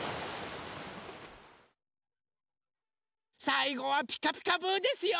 さいごは「ピカピカブ！」ですよ。